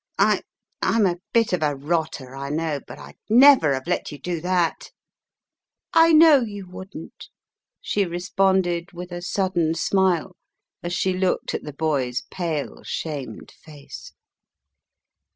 I — I'm a bit of a rotter I know, but Fd never have let you do thai!" "I know you wouldn't," she responded with a sudden smile as she looked at the boy's pale, shamed face.